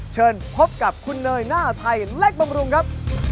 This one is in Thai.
เชิญพบกับคุณเนยหน้าไทยเล็กบำรุงครับ